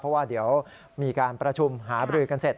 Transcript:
เพราะว่าเดี๋ยวมีการประชุมหาบรือกันเสร็จ